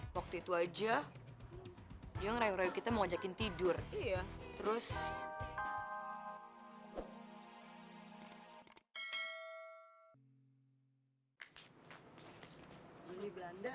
kok orang orang gak keluar keluar ya